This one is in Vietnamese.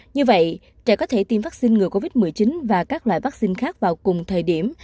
như vậy trẻ có thể tiêm vaccine ngừa covid một mươi chín và các loại vaccine khác vào cùng thời điểm